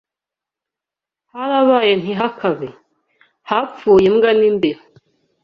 Harabaye ntihakabe, hapfuye imbwa n’imbeba